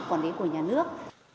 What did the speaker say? quản lý của nhà nước